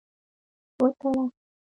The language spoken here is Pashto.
وتړه.